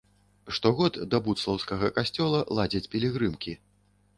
Штогод да будслаўскага касцёла ладзяць пілігрымкі.